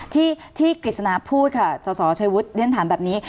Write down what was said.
ที่กฤษณาพูดค่ะสสชัยวุฒิเรียนถามแบบนี้